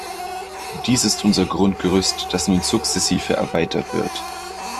Dies ist unser Grundgerüst, das nun sukzessive erweitert wird.